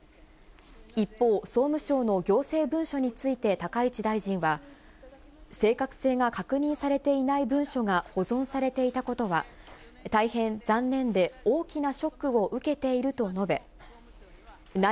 一方、総務省の行政文書について高市大臣は、正確性が確認されていない文書が保存されていたことは、大変残念で、全国の皆さん、こんばんは。